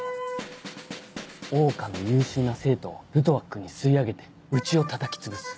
桜花の優秀な生徒をルトワックに吸い上げてうちをたたきつぶす。